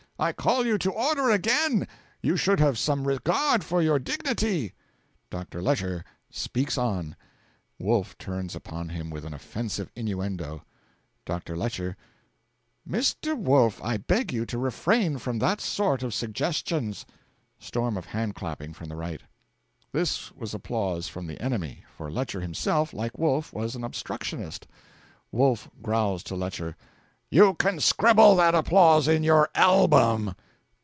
I call you to order again. You should have some regard for your dignity.' Dr. Lecher speaks on. Wolf turns upon him with an offensive innuendo. Dr. Lecher. 'Mr. Wolf, I beg you to refrain from that sort of suggestions.' (Storm of hand clapping from the Right.) This was applause from the enemy, for Lecher himself, like Wolf, was an Obstructionist. Wolf growls to Lecher, 'You can scribble that applause in your album!'